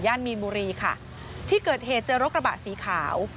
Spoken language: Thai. มีนบุรีค่ะที่เกิดเหตุเจอรถกระบะสีขาว